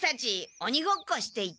おにごっこしていて。